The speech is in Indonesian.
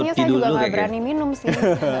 pastinya saya juga gak berani minum sih